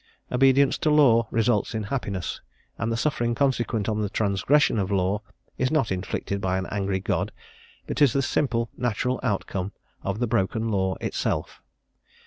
Obedience to law results in happiness, and the suffering consequent on the transgression of law is not inflicted by an angry God, but is the simple natural outcome of the broken law itself.